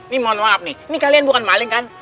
ini mohon maaf nih ini kalian bukan maling kan